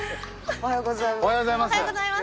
おはようございます。